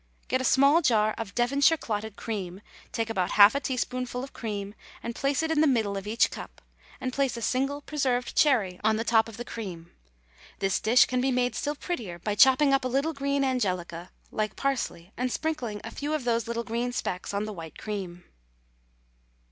Get a small jar of Devonshire clotted cream; take about half a teaspoonful of cream, and place it in the middle of each cup, and place a single preserved cherry on the top of the cream. This dish can be made still prettier by chopping up a little green angelica, like parsley, and sprinkling a few of these little green specks on the white cream.